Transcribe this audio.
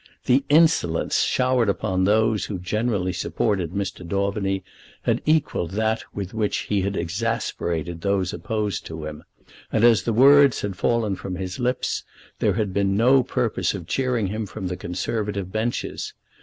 The insolence showered upon those who generally supported Mr. Daubeny had equalled that with which he had exasperated those opposed to him; and as the words had fallen from his lips, there had been no purpose of cheering him from the conservative benches.